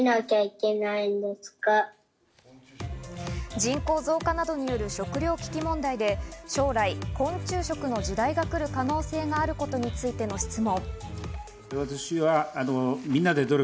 人口増加などによる食糧危機問題で将来、昆虫食の時代が来る可能性があることについての質問。